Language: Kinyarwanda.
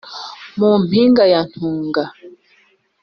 Mu mpinga ya Ntunga